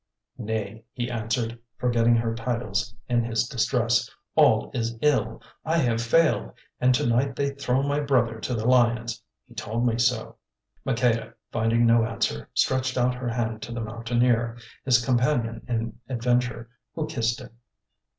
"Nay," he answered, forgetting her titles in his distress, "all is ill. I have failed, and to night they throw my brother to the lions. He told me so." Maqueda, finding no answer, stretched out her hand to the Mountaineer, his companion in adventure, who kissed it.